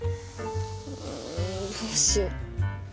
うんどうしよう。